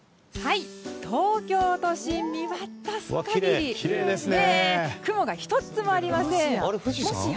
東京都心、見渡す限り雲が１つもありません。